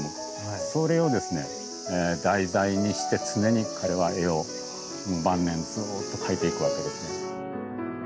それを題材にして常に彼は絵を晩年ずっと描いていくわけですね。